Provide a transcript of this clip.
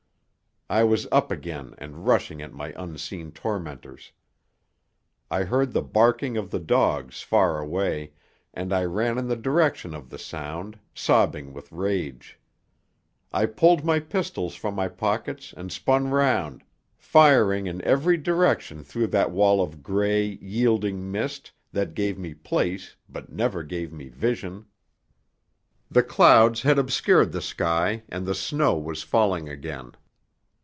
I was up again and rushing at my unseen tormentors. I heard the barking of the dogs far away, and I ran in the direction of the sound, sobbing with rage. I pulled my pistols from my pockets and spun round, firing in every direction through that wall of grey, yielding mist that gave me place but never gave me vision. The clouds had obscured the sky and the snow was falling again.